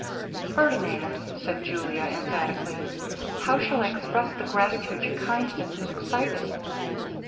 'Ferdinand,' said Julia, emphatically, 'how shall I express the gratitude your kindness has excited?'